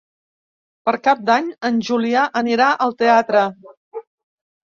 Per Cap d'Any en Julià anirà al teatre.